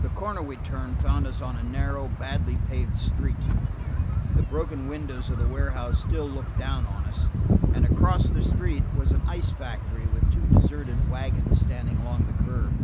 The corner we turned found us on a narrow, badly paved street. The broken windows of the warehouse still looked down on us, and across the street was an ice factory, with two deserted wagons standing along the curb.